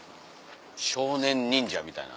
「少年忍者」みたいな。